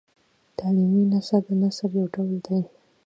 تعلیمي نثر د نثر یو ډول دﺉ.